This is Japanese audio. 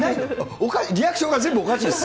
おかしい、リアクションが全部おかしいです。